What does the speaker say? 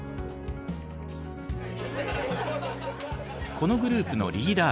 このグループのリーダー